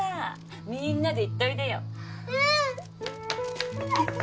みんなで行っといでよ・うん！